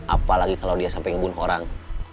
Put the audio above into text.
apalagi kalau dia sampai ngebunuh orang